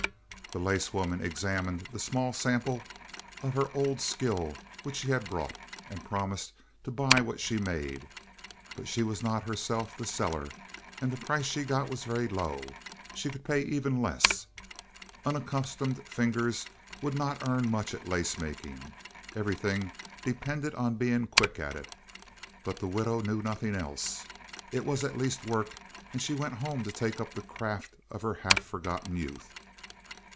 The lace woman examined the small sample of her old skill which she had brought, and promised to buy what she made. But she was not herself the seller, and the price she got was very low. She could pay even less. Unaccustomed fingers would not earn much at lace making; everything depended on being quick at it. But the widow knew nothing else. It was at least work, and she went home to take up the craft of her half forgotten youth.